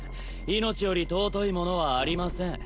命より尊いものはありません